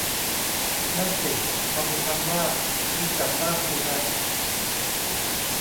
นั่นสิพอมีคำว่า นี่กลับด้านสินะ